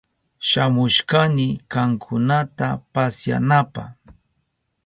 Shamushkani kankunata pasyanapa.